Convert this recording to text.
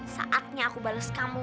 saatnya aku bales kamu